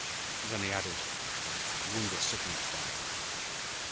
Then he added, "Woonga signal fire!"